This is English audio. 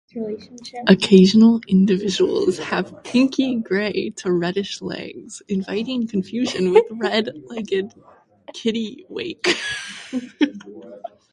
Occasional individuals have pinky-grey to reddish legs, inviting confusion with red-legged kittiwake.